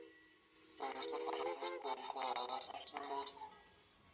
La iglesia parroquial está dedicada a la Asunción de la Virgen.